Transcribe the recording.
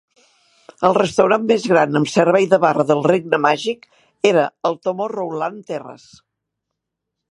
El restaurant més gran amb servei de barra del Regne Màgic era el Tomorrowland Terrace.